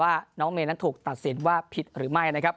ว่าน้องเมย์นั้นถูกตัดสินว่าผิดหรือไม่นะครับ